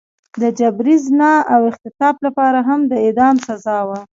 د جبري زنا او اختطاف لپاره هم د اعدام سزا وه.